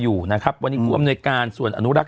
ยังไงยังไงยังไง